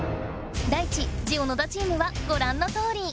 ダイチ・ジオ野田チームはごらんのとおり。